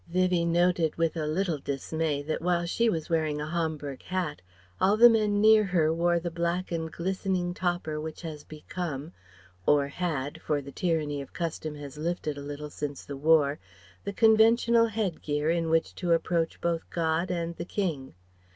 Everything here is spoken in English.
Vivie noted with a little dismay that while she was wearing a Homburg hat all the men near her wore the black and glistening topper which has become or had, for the tyranny of custom has lifted a little since the War the conventional head gear in which to approach both God and the King.